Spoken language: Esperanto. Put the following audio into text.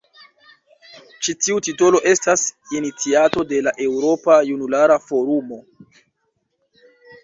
Ĉi tiu titolo estas iniciato de la Eŭropa Junulara Forumo.